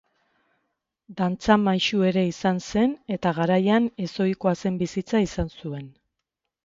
Dantza maisu ere izan zen eta garaian ez ohikoa zen bizitza izan zuen.